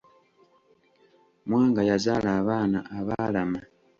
Mwanga yazaala abaana abaalama.